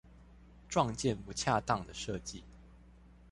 撞見不恰當的設計